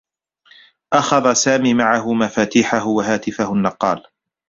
أخذ سامي معه مفاتيحه و هاتفه النّقاّل.